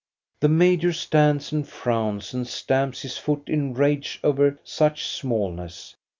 The major stands and frowns and stamps his foot in rage over such smallness.